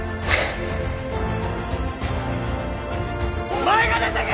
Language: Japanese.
お前が出てけ！